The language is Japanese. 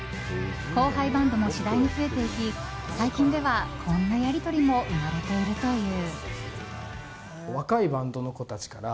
後輩バンドも次第に増えていき最近では、こんなやり取りも生まれているという。